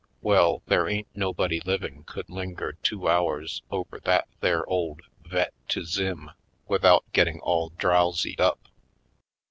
Well, there ain't nobody living could linger two hours over that there old Vet to Zym with out getting all drowsied up.